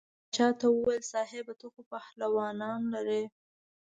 باچا ته وویل صاحبه ته خو پهلوانان لرې.